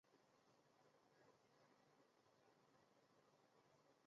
中庭北端的主楼为皇家学院所在。